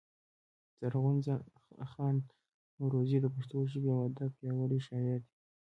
زرغون خان نورزى د پښتو ژبـي او ادب پياوړی شاعر دﺉ.